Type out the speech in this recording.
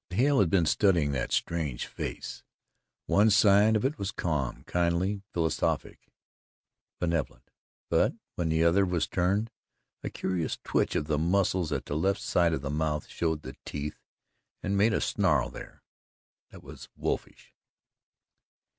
But Hale had been studying that strange face. One side of it was calm, kindly, philosophic, benevolent; but, when the other was turned, a curious twitch of the muscles at the left side of the mouth showed the teeth and made a snarl there that was wolfish.